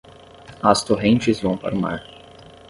As torrentes vão para o mar.